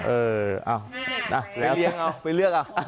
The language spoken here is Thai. เออไปเลี้ยงเอาไปเลือกเอา